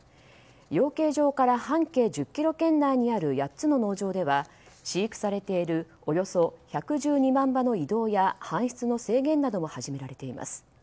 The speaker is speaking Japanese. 養鶏場から半径１０ｋｍ圏内にある８つの農場では飼育されているおよそ１１２万羽の移動や搬出の制限なども始められています。